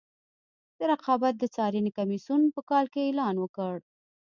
د رقابت د څارنې کمیسیون په کال کې اعلان وکړ.